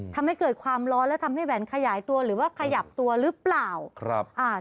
ทำให้เกิดความร้อนและทำให้แหวนขยายตัวหรือว่าขยับตัวหรือเปล่าครับอ่า